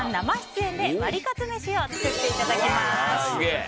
生出演でワリカツめしを作っていただきます。